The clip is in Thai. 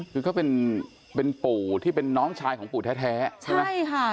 คือก็เป็นปู่ที่เป็นน้องชายของปู่แท้ใช่ไหม